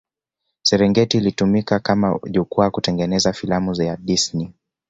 Serengeti ilitumika kama jukwaa kutengeneza filamu ya Disney